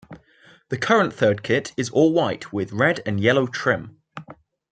The current third kit is all white with red and yellow trim.